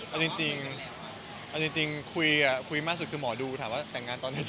เอาจริงคุยที่มากสุดคือหมอดูถามว่าแต่งงานตอนจริง